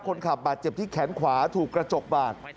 คนขับบาดเจ็บที่แขนขวาถูกกระจกบาด